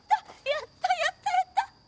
やったやったやった。